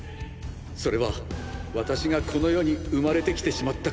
それは私がこの世に生まれてきてしまったからです。